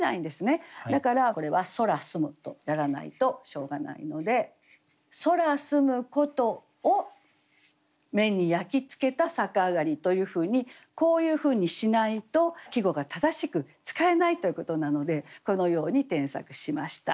だからこれは「空澄む」とやらないとしょうがないので「空澄むことを目に焼きつけたさかあがり」というふうにこういうふうにしないと季語が正しく使えないということなのでこのように添削しました。